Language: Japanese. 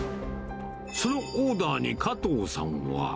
そのオーダーに加藤さんは。